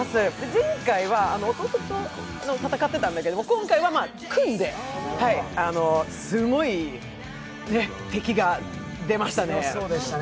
前回は弟と戦ってたんだけども、今回は組んですごい敵が出ましたね。